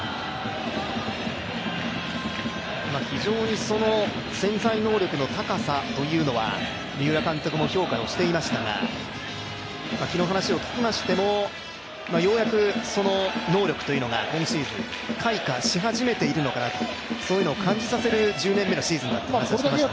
非常にその潜在能力の高さというのは、三浦監督も評価していましたが昨日話を聞きましてもようやくその能力というのが今シーズン開花し始めているのかなと、そういうのを感じさせる１０年目のシーズンだって話してましたね。